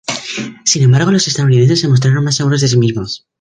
Sin embargo, los estadounidenses se mostraron más seguros de sí mismos.